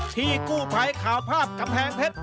ที่กู้ภัยข่าวภาพกำแพงเพชร